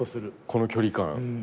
この距離感。